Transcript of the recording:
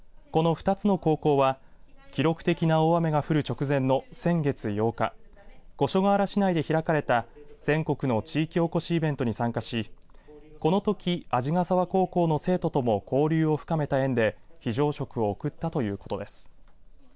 この２つの高校は記録的な大雨が降る直前の先月８日五所川原市内で開かれた全国の地域おこしイベントに参加しこのとき鰺ヶ沢高校の生徒とも交流を深めた縁で非常食を送ったということです。